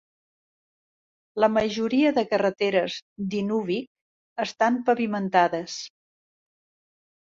La majoria de carreteres d'Inuvik estan pavimentades.